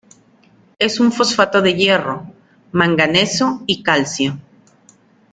Es un fosfato de hierro, manganeso y calcio.